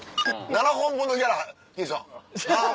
「７本分のギャラ兄さん。